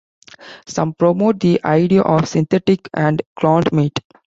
Some promote the idea of synthetic and cloned meat.